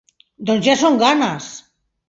Doncs ja són ganes!